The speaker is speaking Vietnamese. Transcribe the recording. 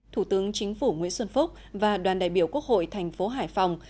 thủ tướng chính phủ nguyễn xuân phúc và đoàn đại biểu quốc hội thành phố hải phòng